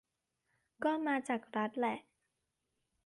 ก็มาจากรัฐแหละ